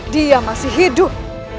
dia masih hidup